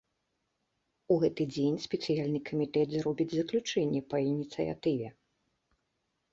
У гэты дзень спецыяльны камітэт зробіць заключэнне па ініцыятыве.